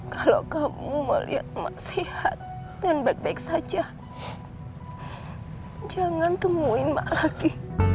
kalau kamu mau lihat emak sehat dan baik baik saja jangan temuin emak lagi